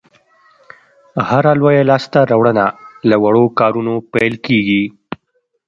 هره لویه لاسته راوړنه له وړو کارونو پیل کېږي.